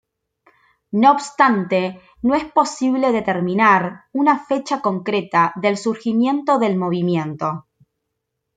No obstante, no es posible determinar una fecha concreta del surgimiento del movimiento.